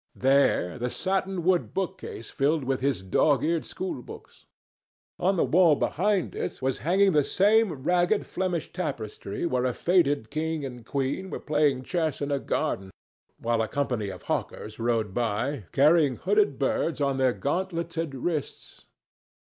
There the satinwood book case filled with his dog eared schoolbooks. On the wall behind it was hanging the same ragged Flemish tapestry where a faded king and queen were playing chess in a garden, while a company of hawkers rode by, carrying hooded birds on their gauntleted wrists.